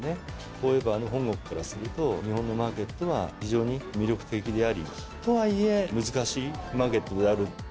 フォーエバーの本国からすると、日本のマーケットは非常に魅力的であり、とはいえ難しいマーケットである。